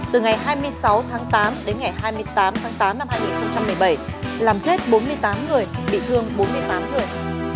từ ngày hai mươi sáu tháng tám đến ngày hai mươi tám tháng tám năm hai nghìn một mươi bảy làm chết bốn mươi tám người bị thương bốn mươi tám người